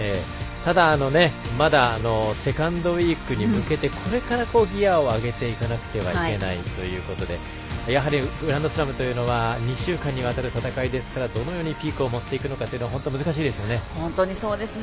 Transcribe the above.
ただ、まだセカンドウィークに向けてこれからギヤを上げていかなくてはいけないということでやはりグランドスラムというのは２週間にわたる戦いですから、どのようにピークを持っていくのかは難しいですよね。